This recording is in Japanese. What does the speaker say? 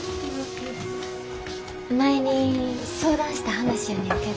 前に相談した話やねんけど。